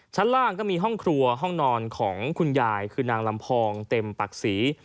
ชั้นล่างก็มีห้องครัวห้องนอนของคุณยายคือนางลำพองเต็มปักศรี